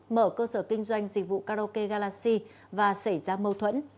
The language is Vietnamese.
mở cơ sở kinh doanh dịch vụ karaoke galaxy và xảy ra mâu thuẫn